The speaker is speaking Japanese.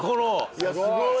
いやすごい。